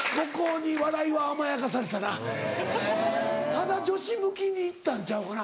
ただ女子向きにいったんちゃうかな。